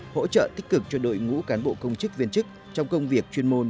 hỗ trợ tích cực cho đội ngũ cán bộ công chức viên chức trong công việc chuyên môn